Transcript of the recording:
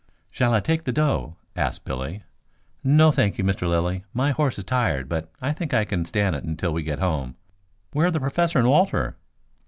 "Shall I take the doe?" asked Billy. "No, thank you, Mr. Lilly. My horse is tired, but I think he can stand it until we get home. Where are the Professor and Walter?"